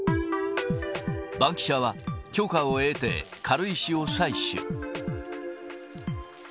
バンキシャは、許可を得て、軽石を採取。